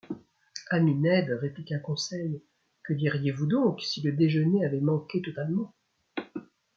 Ami Ned, répliqua Conseil, que diriez-vous donc, si le déjeuner avait manqué totalement !